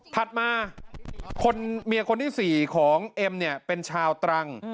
ถัดมาเมียคนที่๔ของเอ็มเนี่ยเป็นชาวตรัง